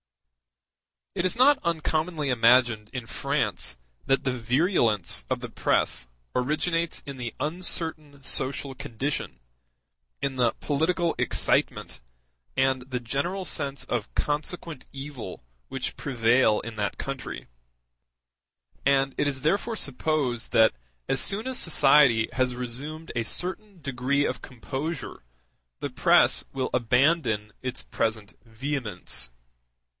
It is not uncommonly imagined in France that the virulence of the press originates in the uncertain social condition, in the political excitement, and the general sense of consequent evil which prevail in that country; and it is therefore supposed that as soon as society has resumed a certain degree of composure the press will abandon its present vehemence.